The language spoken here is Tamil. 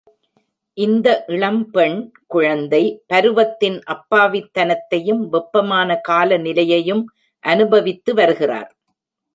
இந்த இளம்பெண் குழந்தை பருவத்தின் அப்பாவித்தனத்தையும், வெப்பமான காலநிலையையும் அனுபவித்து வருகிறார்.